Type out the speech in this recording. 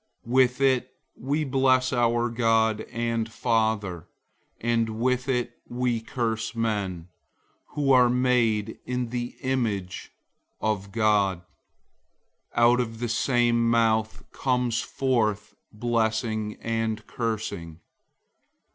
003:009 With it we bless our God and Father, and with it we curse men, who are made in the image of God. 003:010 Out of the same mouth comes forth blessing and cursing.